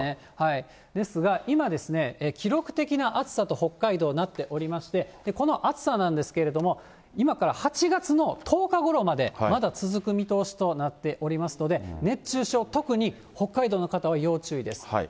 ですが、今、記録的な暑さと北海道、なっておりまして、この暑さなんですけれども、今から８月の１０日ごろまで、まだ続く見通しとなっておりますので、熱中症、特に北海道の方は要注意です。